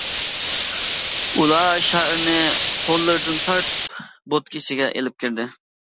ئۇلار شائىرنى قوللىرىدىن تارتىپ بوتكا ئىچىگە ئېلىپ كىردى.